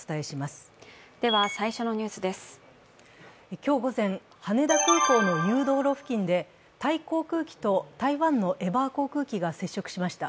今日午前、羽田空港の誘導路付近でタイ航空機と台湾のエバー航空機が接触しました。